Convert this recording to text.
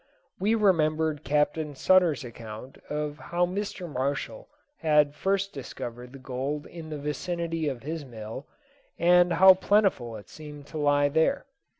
We remembered Captain Sutter's account of how Mr. Marshall had first discovered the gold in the vicinity of his mill, and how plentiful it seemed to lie there.